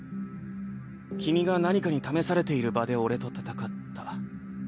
君が何かに試されている場で俺と戦った。